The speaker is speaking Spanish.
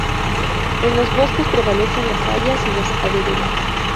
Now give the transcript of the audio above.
En los bosques prevalecen las hayas y los abedules.